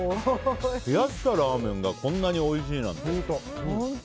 冷やしたラーメンがこんなにおいしいなんて。